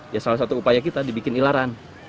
ya salah satu upaya kita dibikin ilaran